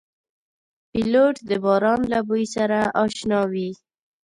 پیلوټ د باران له بوی سره اشنا وي.